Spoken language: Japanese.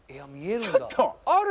ある！